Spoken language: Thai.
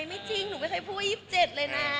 ไม่จริงหนูไม่เคยพูดว่า๒๗เลยนะ